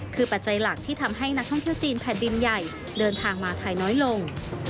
คือปัจจัยหลักที่ทำให้นักท่องเที่ยวจีนแผ่นดินใหญ่เดินทางมาไทยน้อยลง